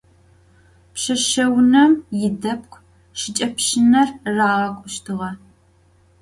Пшъэшъэунэм идэпкъ шыкӏэпщынэр рагъэкӏущтыгъэ.